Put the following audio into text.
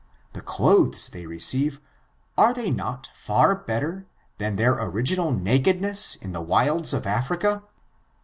The clothes they receive, are they not better far than their original nakedness in the wilds of Africa